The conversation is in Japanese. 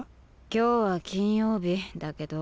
今日は金曜日だけど？